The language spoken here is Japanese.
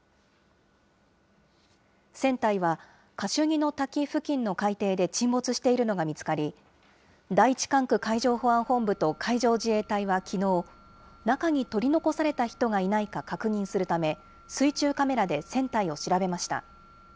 船体はカシュニの滝付近の海底で沈没しているのが見つかり、第１管区海上保安本部と海上自衛隊はきのう、中に取り残された人がいないか確認するため、水中カメラで船体を調べました。